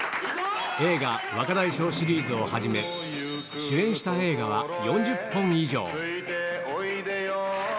映画、若大将シリーズをはじめ、主演した映画は４０本以上。